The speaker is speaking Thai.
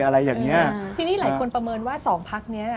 ที่นี่หลายคนประเมินว่าสองพักนี้